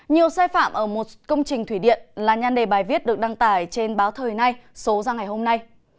nhiều sai phạm ở một công trình thủy điện là nhan đề bài viết được đăng tải trên báo thời nay số ra ngày hôm nay